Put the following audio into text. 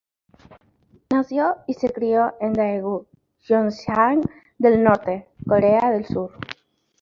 Nació y se crio en Daegu, Gyeongsang del Norte, Corea del Sur.